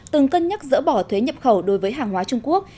từng cân nhắc dỡ bỏ thuế nhập khẩu đối với hàng hóa trung quốc